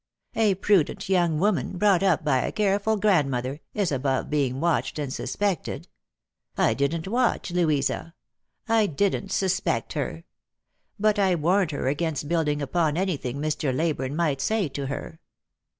A prudent young woman, brought up by a careful grandmother, is above being watched and suspected. I didn't watch Louisa ; I didn't suspect her ; but I warned her against building upon any thing Mr. Leyburne might say to her.